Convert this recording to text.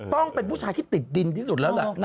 ต้องเป็นผู้ชายที่ติดดินที่สุดแล้วล่ะ